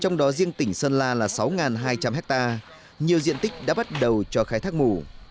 trong đó riêng tỉnh sơn la là sáu hai trăm linh hectare nhiều diện tích đã bắt đầu cho khai thác mù